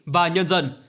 và nhân dân